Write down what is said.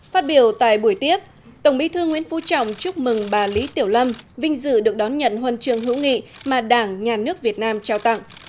phát biểu tại buổi tiếp tổng bí thư nguyễn phú trọng chúc mừng bà lý tiểu lâm vinh dự được đón nhận huân trường hữu nghị mà đảng nhà nước việt nam trao tặng